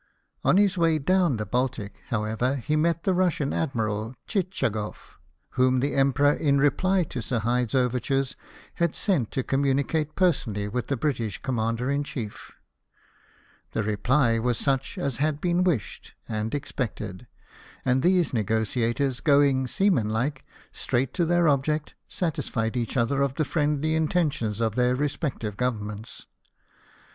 On his way down the Baltic, however, he met the Russian Admiral Tchitchagof, whom the Emperor, in reply to Sir Hyde's overtures, had sent to com municate personally with the British Commander in Chief. The reply was such as had been wished and expected ; and these negotiators going, seaman like, straight to their object, satisfied each other of the friendly intentions of their respective Governments.